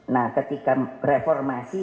nah ketika reformasi